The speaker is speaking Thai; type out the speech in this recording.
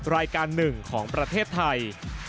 รายการหนึ่งของประเทศไทย